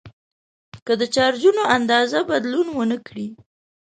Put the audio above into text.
که د چارجونو اندازه بدلون ونه کړي.